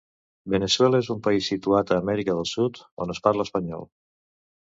Veneçuela és un país situat a Amèrica del Sud on es parla espanyol.